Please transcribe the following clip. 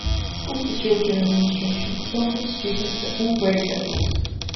School for Children admission is offered to students at all grade levels.